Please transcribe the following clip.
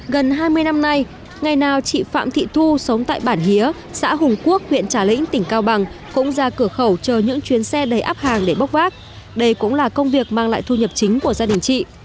gần hai mươi năm nay ngày nào chị phạm thị thu sống tại bản hía xã hùng quốc huyện trà lĩnh tỉnh cao bằng cũng ra cửa khẩu chờ những chuyến xe đầy áp hàng để bốc vác đây cũng là công việc mang lại thu nhập chính của gia đình chị